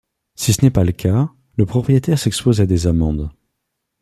Si ce n’est pas le cas, le propriétaire s’expose à des amendes.